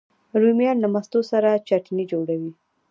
رومیان له مستو سره چټني جوړوي